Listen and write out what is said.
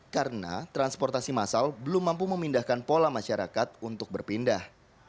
karena transportasi masal belum mampu memindahkan pola masyarakat untuk berpindah